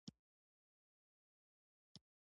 په افغانستان کې د بامیان تاریخ اوږد دی.